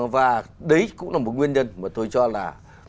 và đấy cũng là một nguyên nhân mà tôi cho là